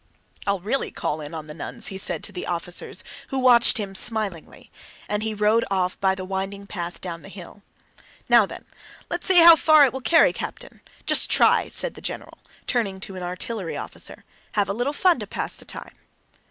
"I'll really call in on the nuns," he said to the officers who watched him smilingly, and he rode off by the winding path down the hill. "Now then, let's see how far it will carry, Captain. Just try!" said the general, turning to an artillery officer. "Have a little fun to pass the time."